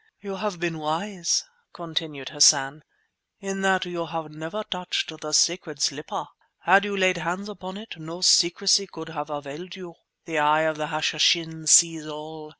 "You have been wise," continued Hassan, "in that you have never touched the sacred slipper. Had you lain hands upon it, no secrecy could have availed you. The eye of the Hashishin sees all.